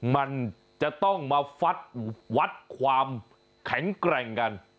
มันจะต้องมาฟัดวัดความแข็งแกร่งกัน